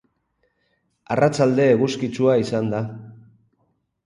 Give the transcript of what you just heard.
Arratsalde eguzkitsua izan da.